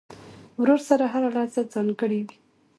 ورور سره هره لحظه ځانګړې وي.